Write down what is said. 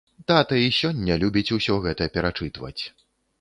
Тата і сёння любіць усё гэта перачытваць.